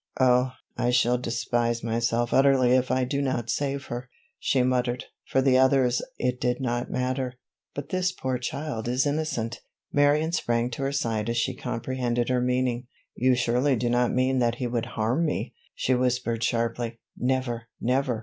"Oh, I shall despise myself utterly if I do not save her!" she muttered, "for the others it did not matter, but this poor child is innocent!" Marion sprang to her side as she comprehended her meaning. "You surely do not mean that he would harm me!" she whispered sharply. "Never! Never!